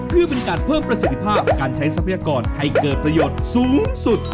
เพื่อเป็นการเพิ่มประสิทธิภาพการใช้ทรัพยากรให้เกิดประโยชน์สูงสุด